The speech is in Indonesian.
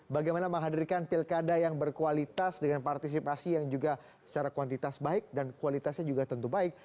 bagaimana menghadirkan pilkada yang berkualitas dengan partisipasi yang juga secara kuantitas baik dan kualitasnya juga tentu baik